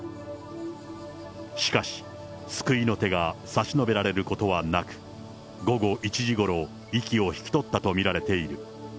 しかし、救いの手が差し伸べられることはなく、午後１時ごろ、息を引き取ったと見られている。